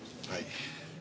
はい。